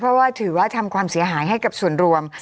เพราะว่าถือว่าทำความเสียหายให้กับส่วนรวม